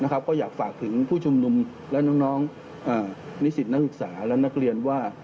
ก็อยากฝากถึงผู้ชุมนุมและน้องนิสิตนักศึกษาและนักเรียนว่า